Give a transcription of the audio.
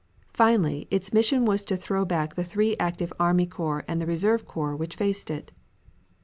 Finally, its mission was to throw back the three active army corps and the reserve corps which faced it.